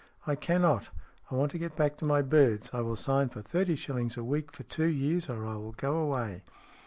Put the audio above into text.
" I cannot. I want to get back to my birds. I will sign for thirty shillings a week for two years, or I will go away."